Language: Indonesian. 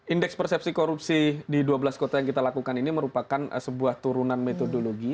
indeks persepsi korupsi di dua belas kota yang kita lakukan ini merupakan sebuah turunan metodologi